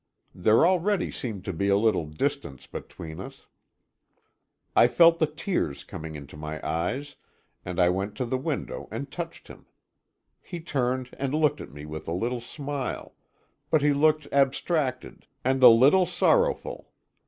There already seemed to be a little distance between us. I felt the tears coming into my eyes, and I went to the window and touched him. He turned and looked at me with a little smile, but he looked abstracted and a little sorrowful.